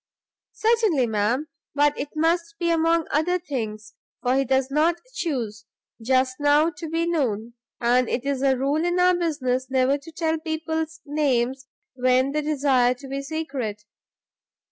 "Certainly, ma'am; but it must be among other things, for he does not chuse, just now to be known; and it is a rule in our business never to tell people's names when they desire to be secret.